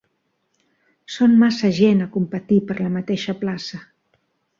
Són massa gent a competir per la mateixa plaça.